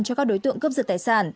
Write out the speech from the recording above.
cho các đối tượng cướp giật tài sản